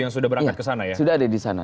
yang sudah berangkat kesana ya